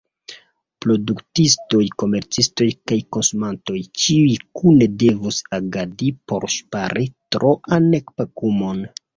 Produktistoj, komercistoj kaj konsumantoj, ĉiuj kune devus agadi por ŝpari troan pakumon.